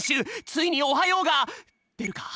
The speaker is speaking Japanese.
ついに「おはよう」がでるか？